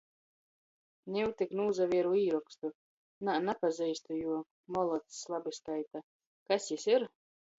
Niu tik nūsavieru īrokstu. Nā, napazeistu juo. Molocs, labi skaita! Kas jis ir?